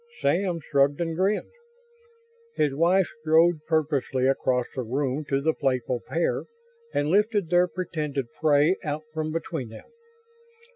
Sam shrugged and grinned. His wife strode purposefully across the room to the playful pair and lifted their pretended prey out from between them.